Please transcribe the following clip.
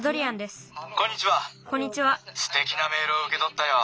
すてきなメールをうけとったよ。